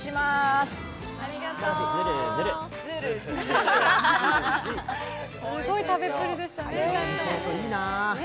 ズルズルすごい食べっぷりでしたね。